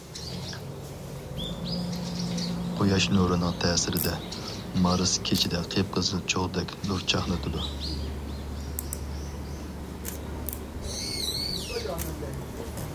قۇياش نۇرىنىڭ تەسىرىدە، مارس كېچىدە قىپقىزىل چوغدەك نۇر چاقنىتىدۇ.